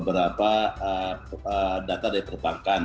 dari beberapa data yang diperbankan